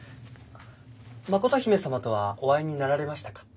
真琴姫様とはお会いになられましたか？